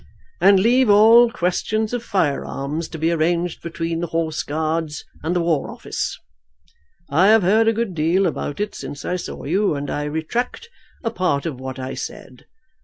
"And leave all questions of fire arms to be arranged between the Horse Guards and the War Office. I have heard a good deal about it since I saw you, and I retract a part of what I said.